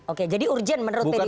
oke jadi urgent menurut pdi perjuangan